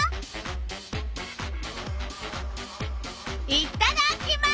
いっただきます！